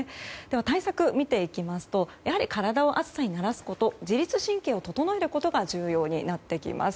対策を見ていきますとやはり、体を暑さに慣らすこと自律神経を整えることが重要になります。